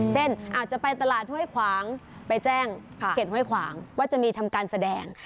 เช่นอาจจะไปตลาดห้วยขวางไปแจ้งเขตห้วยขวางว่าจะมีทำการแสดง